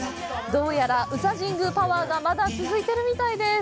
どうやら宇佐神宮パワーがまだ続いているみたいです！